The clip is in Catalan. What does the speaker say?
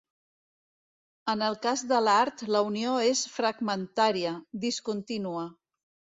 En el cas de l'art la unió és fragmentària, discontínua.